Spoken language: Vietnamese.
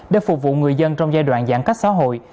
để phục vụ người dân trong giai đoạn giãn cách xã hội